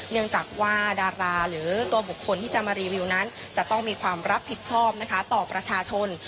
เนื่องจากว่าดาราหรือตัวบุคคลที่จะมารีวิวนั้นจะต้องมีความรับผิดชอบนะคะต่อประชาชน